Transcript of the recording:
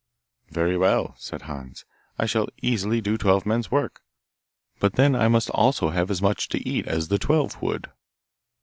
'Very well,' said Hans, 'I shall easily do twelve men's work, but then I must also have as much to eat as the twelve would.